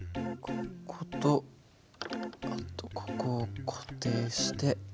こことあとここを固定して。